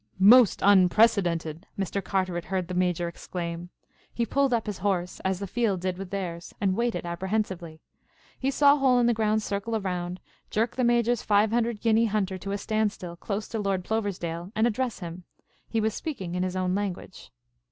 "Most unprecedented!" Mr. Carteret heard the Major exclaim. He pulled up his horse, as the field did with theirs, and waited apprehensively. He saw Hole in the Ground circle around, jerk the Major's five hundred guinea hunter to a standstill close to Lord Ploversdale and address him. He was speaking in his own language.